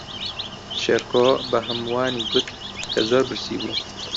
شێرکۆ بە ھەمووانی گوت کە زۆر برسی بوو.